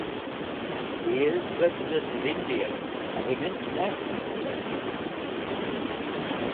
He has represented India at an international level.